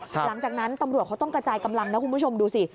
หลังจากนั้นตำรวจเขาต้องกระจายกำลังนะคุณผู้ชมดูสิ